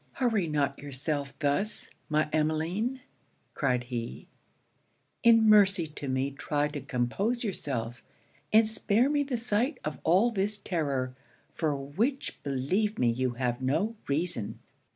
'Hurry not yourself thus, my Emmeline,' cried he; 'in mercy to me try to compose yourself, and spare me the sight of all this terror, for which believe me you have no reason.'